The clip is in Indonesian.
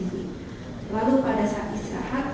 lalu pada saat istirahat